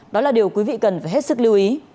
đó là điều quý vị cần phải hết sức lưu ý